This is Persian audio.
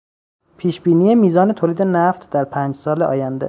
پیشبینی میزان تولید نفت در پنج سال آینده